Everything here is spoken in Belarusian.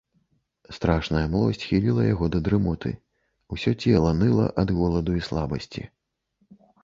Страшная млосць хіліла яго да дрымоты, усё цела ныла ад голаду і слабасці.